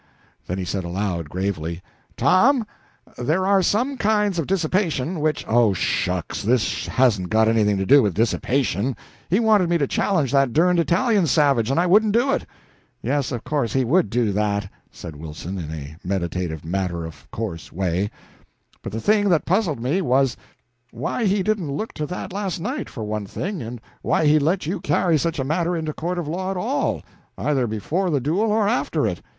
Then he said aloud, gravely: "Tom, there are some kinds of dissipation which " "Oh, shucks, this hasn't got anything to do with dissipation. He wanted me to challenge that derned Italian savage, and I wouldn't do it." "Yes, of course he would do that," said Wilson in a meditative matter of course way, "but the thing that puzzled me was, why he didn't look to that last night, for one thing, and why he let you carry such a matter into a court of law at all, either before the duel or after it.